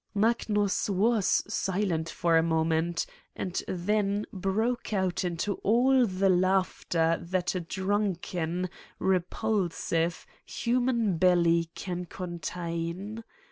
Magnus was silent for a moment and then broke out into all the laughter that a drunken, repulsive, human belly can contain.